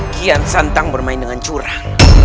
kian santang bermain dengan curah